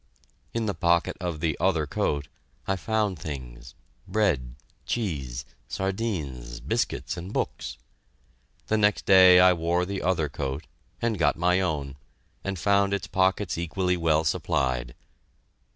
In the pocket of the "other coat" I found things bread, cheese, sardines, biscuits, and books. The next day I wore the other coat, and got my own, and found its pockets equally well supplied.